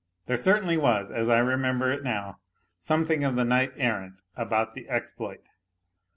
There certainly was, as I remember it now, something of the knight errant about the exploit.